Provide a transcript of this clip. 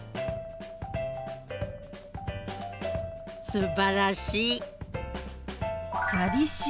すばらしい。